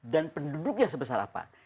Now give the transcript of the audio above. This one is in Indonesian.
dan penduduknya sebesar apa